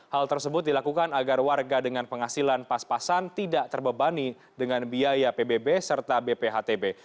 hal tersebut dilakukan agar warga dengan penghasilan pas pasan tidak terbebani dengan biaya pbb serta bphtb